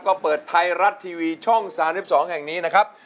ก็เปิดไทยรัฐทีวีช่อง๓๒แห่งนี้นะครับ